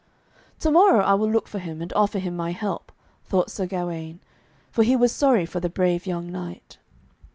'To morrow I will look for him, and offer him my help,' thought Sir Gawaine, for he was sorry for the brave young knight.